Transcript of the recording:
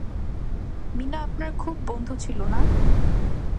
মীনা আপনার খুব বন্ধু ছিল না?